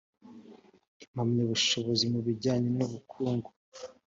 impamyabushobozi mu bijyanye n ubukungu